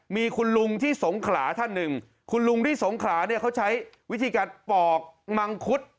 มีคุณลุงที่สงขลาท่านหนึ่งคุณลุงที่สงขลาเนี่ยเขาใช้วิธีการปอกมังคุด